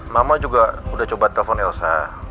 mama juga udah coba telepon elsa